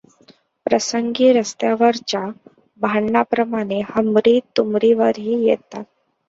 प्रसंगी रस्त्यावरच्या भांडणांप्रमाणे हमरी तुमरीवरही येतात.